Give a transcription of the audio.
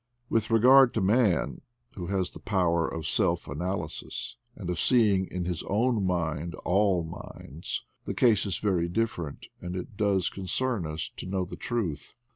With regard to man, who has the power of self analysis and of seeing in his own mind all minds, the case is very different, and it does concern us to know the truth.